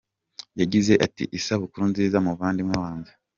Yagize ati “Isabukuru nziza muvandimwe wanjye.